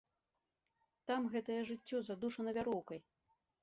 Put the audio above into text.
Там гэтае жыццё задушана вяроўкай.